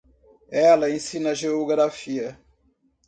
Ela ensina geografia.